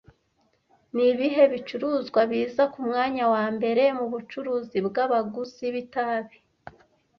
Ni ibihe bicuruzwa biza ku mwanya wa mbere mu bucuruzi bw'abaguzi b'itabi